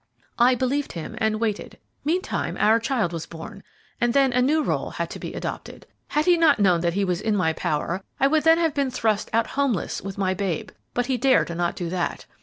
I believed him and waited. Meantime, our child was born, and then a new role had to be adopted. Had he not known that he was in my power, I would then have been thrust out homeless with my babe, but he dared not do that.